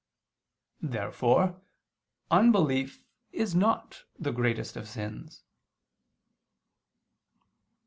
Therefore unbelief is not the greatest of sins.